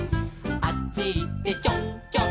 「あっちいってちょんちょん」